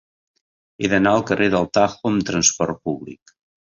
He d'anar al carrer del Tajo amb trasport públic.